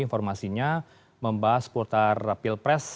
informasinya membahas putar pilpres